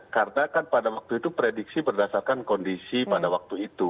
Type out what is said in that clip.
karena kan pada waktu itu prediksi berdasarkan kondisi pada waktu itu